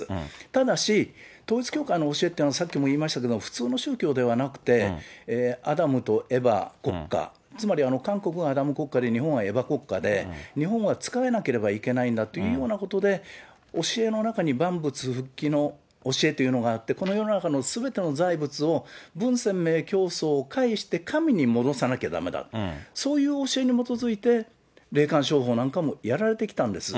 ただし、統一教会の教えというのは、さっきも言いましたけれども、普通の宗教ではなくて、アダムとエバ国家、つまり韓国がアダム国家で、日本はエバ国家で、日本は仕えなければいけないんだというようなことで、教えの中に万物復帰の教えというのがあって、この世の中のすべての財物を文鮮明教祖を返して神に戻さなきゃだめだ、そういう教えに基づいて、霊感商法なんかもやられてきたんです。